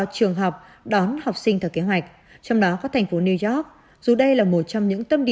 trường hợp mỗi người đều tirsin phép khí vật họ